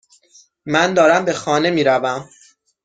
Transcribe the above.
من دارم به خانه میروم.